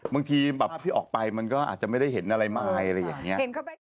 บางทีแบบที่ออกไปมันก็อาจจะไม่ได้เห็นอะไรมายอะไรอย่างนี้